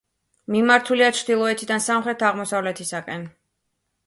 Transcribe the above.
მიმართულია ჩრდილოეთიდან სამხრეთ-აღმოსავლეთისაკენ.